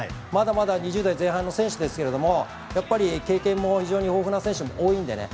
２０代前半の選手ですけれどもやっぱり経験も非常に豊富な選手も多いんでね。